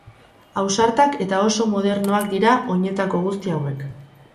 Ausartak eta oso mdoernoak dira oinetako guzti hauek.